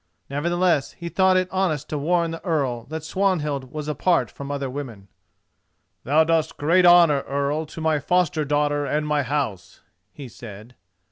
Nevertheless, he thought it honest to warn the Earl that Swanhild was apart from other women. "Thou dost great honour, earl, to my foster daughter and my house," he said.